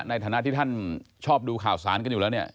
ในฐานะที่ท่านชอบดูข่าวสารกันอยู่แล้วเนี่ย